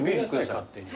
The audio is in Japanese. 勝手に。